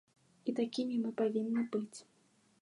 І такімі мы павінны быць.